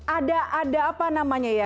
ada ada apa namanya ya